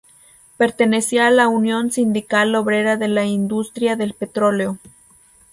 Pertenecía a la Unión Sindical Obrera de la Industria del Petróleo.